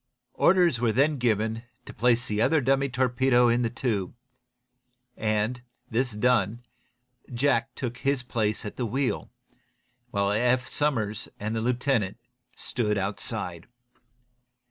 Orders were then given to place the other dummy torpedo in the tube, and this done, Jack took his place at the wheel, while Eph Somers and the lieutenant stood outside.